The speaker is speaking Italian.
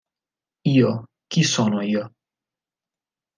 Io, chi sono io?